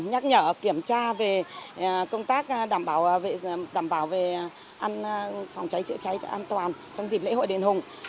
nhắc nhở kiểm tra về công tác đảm bảo về phòng cháy chữa cháy cho an toàn trong dịp lễ hội đền hùng